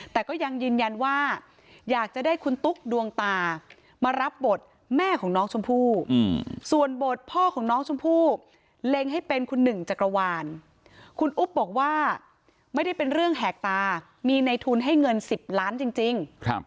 แต่ก็ยังยืนยันว่าอยากจะได้คุณตุ๊กดวงตามารับบทแม่ของน้องชมพู่ส่วนบทพ่อของน้องชมพู่เล็งให้เป็นคุณหนึ่งจักรวาลคุณอุ๊บบอกว่าไม่ได้เป็นเรื่องแหกตามีในทุนให้เงิน๑๐ล้านจริง